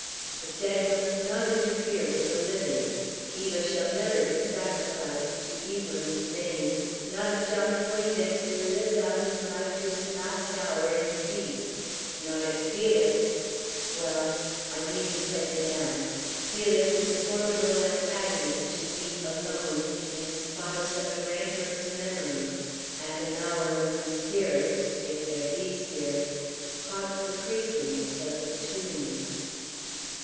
But the dead must not interfere with the living. Eva shall never be sacrificed to Evelyn's manes, not if John Poindexter lives out his life to his last hour in peace; not if Felix well; I need to play the man; Felix is a formidable antagonist to meet, alone, in a spot of such rancorous memories, at an hour when spirits if there be spirits haunt the precincts of the tomb.